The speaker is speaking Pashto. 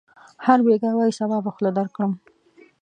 هر بېګا وايي: صبا به خوله درکړم.